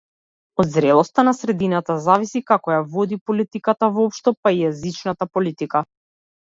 Од зрелоста на средината зависи како ја води политиката воопшто, па и јазичната политика.